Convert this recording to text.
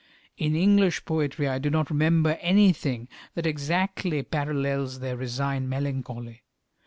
In English poetry I do not remember anything that exactly parallels their resigned melancholy.